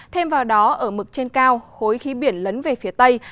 thêm vào đó ở mực trên cao khối khí biển lấn về phía tây